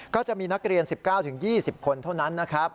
ก็จะมีนักเรียน๑๙๒๐คนเท่านั้นนะครับ